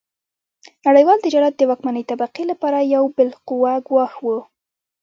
نړیوال تجارت د واکمنې طبقې لپاره یو بالقوه ګواښ و.